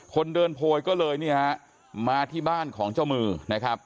คนเดินโผยก็เลยมาที่บ้านของเจ้ามือนะครับ